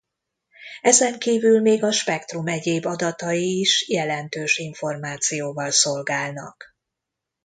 Ezen kívül még a spektrum egyéb adatai is jelentős információval szolgálnak.